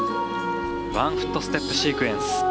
ワンフットステップシークエンス。